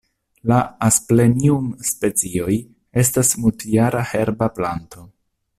La Asplenium-specioj estas multjara herba planto.